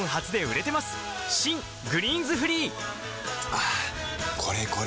はぁこれこれ！